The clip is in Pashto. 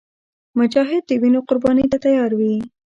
مجاهد د وینو قرباني ته تیار وي.